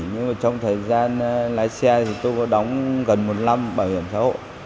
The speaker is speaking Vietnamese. nhưng mà trong thời gian lái xe thì tôi có đóng gần một năm bảo hiểm xã hội